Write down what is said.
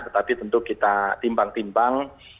tetapi tentu kita timbang timbang